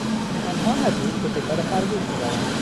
آنها هر روز به شکار خرگوش میروند.